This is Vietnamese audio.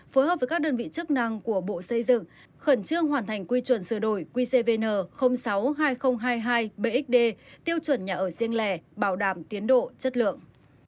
phối hợp với các đơn vị chức năng của bộ xây dựng khẩn trương hoàn thành quy chuẩn sửa đổi qcvn sáu hai nghìn hai mươi hai bxd tiêu chuẩn nhà ở riêng lẻ bảo đảm tiến độ chất lượng